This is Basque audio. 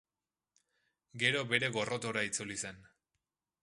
Gero bere gorrotora itzuli zen.